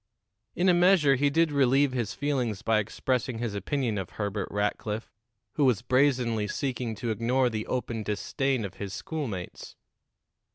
In a measure he did relieve his feelings by expressing his opinion of Herbert Rackliff, who was brazenly seeking to ignore the open disdain of his schoolmates.